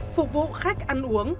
phục vụ khách ăn uống